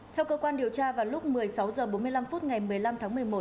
theo cơ quan điều tra vào lúc một mươi sáu h bốn mươi năm phút ngày một mươi năm tháng một mươi một